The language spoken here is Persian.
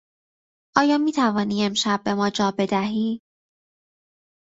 آیا میتوانی امشب به ما جا بدهی؟